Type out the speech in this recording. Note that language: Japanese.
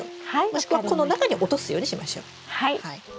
もしくはこの中に落とすようにしましょう。